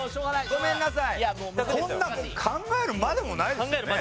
こんなもん考えるまでもないですよね？